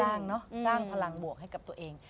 จ้างเนอะสร้างพลังบวกให้กับตัวเอง